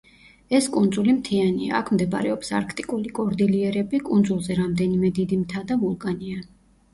ეს კუნძული მთიანია, აქ მდებარეობს არქტიკული კორდილიერები, კუნძულზე რამდენიმე დიდი მთა და ვულკანია.